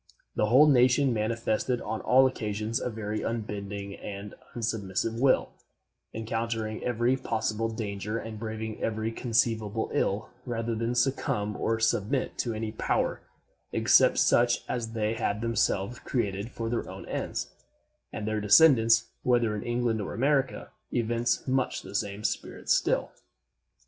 The whole nation manifested on all occasions a very unbending and unsubmissive will, encountering every possible danger and braving every conceivable ill rather than succumb or submit to any power except such as they had themselves created for their own ends; and their descendants, whether in England or America, evince much the same spirit still.